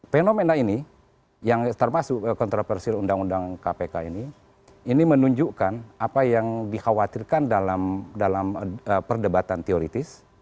fenomena ini yang termasuk kontroversi undang undang kpk ini ini menunjukkan apa yang dikhawatirkan dalam perdebatan teoritis